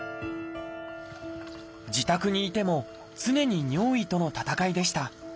自宅にいても常に尿意との闘いでした。